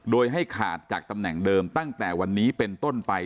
โดยให้ขาดจากตำแหน่งเดิมตั้งแต่วันนี้เป็นต้นไป